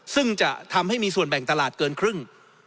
ซึ่งจะทำให้มีส่วนแบ่งตลาดเกินครึ่ง